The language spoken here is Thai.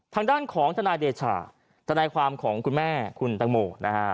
ทางด้านของทนายเดชาทนายความของคุณแม่คุณตังโมนะฮะ